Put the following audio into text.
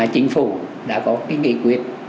chính phủ đã có cái nghị quyết